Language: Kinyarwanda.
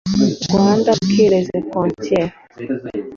Rwanda qui les contient